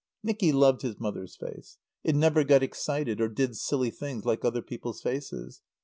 Nicky loved his mother's face. It never got excited or did silly things like other people's faces.